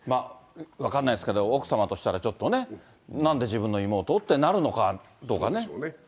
分かんないですけど、奥様としたらちょっとね、なんで自分の妹？ってなるのかどうかね。